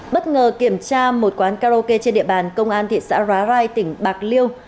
bất ngờ kiểm tra một quán karaoke trên địa bàn công an thị xã hóa rai tỉnh bạc liêu